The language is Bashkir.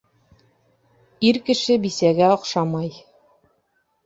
Ир кеше бисәгә оҡшамай.